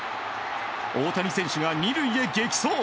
大谷選手が２塁へ激走。